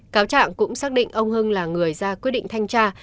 cáo trạng cũng xác định ông hưng là người ra quyết định thanh tra